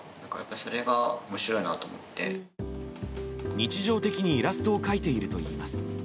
日常的にイラストを描いているといいます。